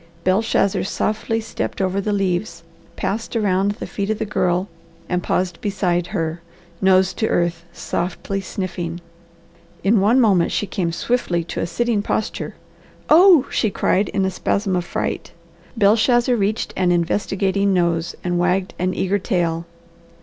Belshazzar softly stepped over the leaves, passed around the feet of the girl, and paused beside her, nose to earth, softly sniffing. In one moment she came swiftly to a sitting posture. "Oh!" she cried in a spasm of fright. Belshazzar reached an investigating nose and wagged an eager tail.